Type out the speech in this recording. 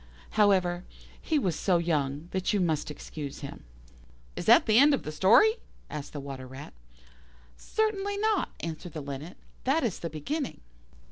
However, he was so young that you must excuse him." "Is that the end of the story?" asked the Water rat. "Certainly not," answered the Linnet, "that is the beginning."